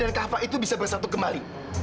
dan kakak itu bisa bersatu kembali